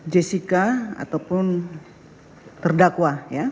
jessica ataupun terdakwa ya